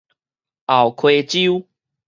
後溪洲